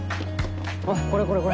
おいこれこれこれ。